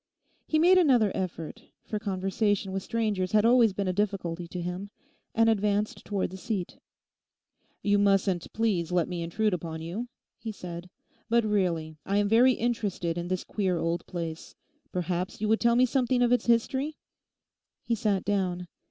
He made another effort—for conversation with strangers had always been a difficulty to him—and advanced towards the seat. 'You mustn't please let me intrude upon you,' he said, 'but really I am very interested in this queer old place. Perhaps you would tell me something of its history?' He sat down.